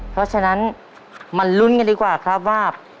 เพราะฉะนั้นมาลุ้นกันดีกว่าครับว่า